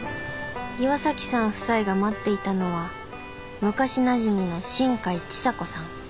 岩さん夫妻が待っていたのは昔なじみの新海智佐子さん。